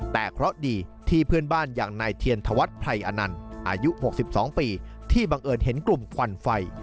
แต่เคราะห์ดีที่เพื่อนบ้านอย่างนายเทียนธวัฒน์ไพรอนันต์อายุ๖๒ปีที่บังเอิญเห็นกลุ่มควันไฟ